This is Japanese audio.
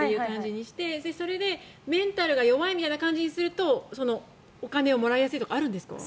それでメンタルが弱いみたいにするとお金をもらいやすいとかあるんですか？